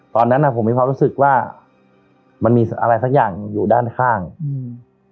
ตอนนั้นอ่ะผมมีความรู้สึกว่ามันมีอะไรสักอย่างอยู่ด้านข้างอืม